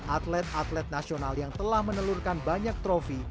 atlet atlet nasional yang telah menelurkan banyak trofi